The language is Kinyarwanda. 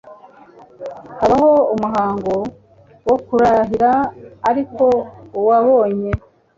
habaho umuhango wo kurahira, ariko uwabonye